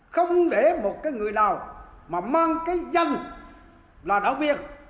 không để một người nào mà mang cái danh là đảng viên